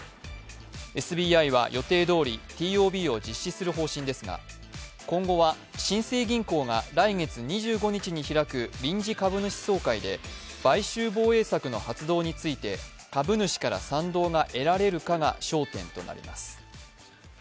ＳＢＩは予定どおり、ＴＯＢを実施する方針ですが今後は新生銀行が来月２５日に開く臨時株主総会で買収防衛策の発動について株主から賛同が得られるかが焦点となりました。